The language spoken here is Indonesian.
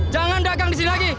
jangan dagang di sini lagi